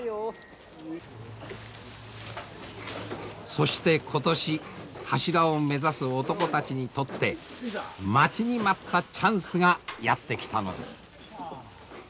そして今年柱を目指す男たちにとって待ちに待ったチャンスがやって来たのです。